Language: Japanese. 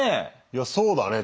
いやそうだね。